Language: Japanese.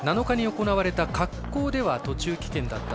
７日に行われた滑降では途中棄権。